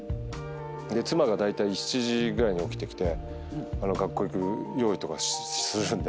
妻がだいたい７時ぐらいに起きてきて学校行く用意とかするんで。